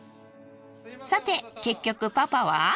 さて結局パパは？